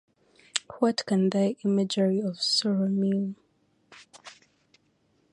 What can thy imagery of sorrow mean?